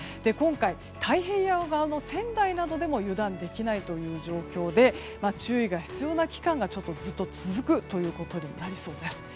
今回、太平洋側の仙台などでも油断できない状況で注意が必要な期間がずっと続くことになりそうです。